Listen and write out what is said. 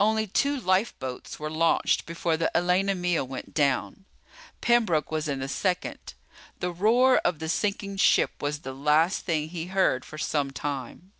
Only two lifeboats were launched before the Elena Mia went down. Pembroke was in the second. The roar of the sinking ship was the last thing he heard for some time.